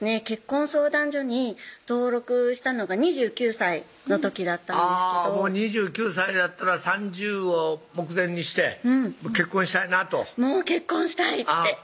結婚相談所に登録したのが２９歳の時だったんですけど２９歳だったら３０を目前にして結婚したいなともう結婚したい！って